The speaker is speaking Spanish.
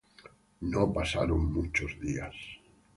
No pasaron muchos días.